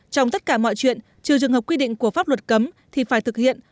trong tất cả mọi chuyện trừ trường hợp quy định của pháp luật cấm thì phải thực hiện